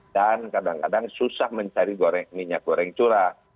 dan kadang kadang susah mencari minyak goreng curah